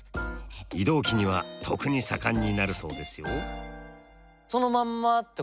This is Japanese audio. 異動期には特に盛んになるそうですよ。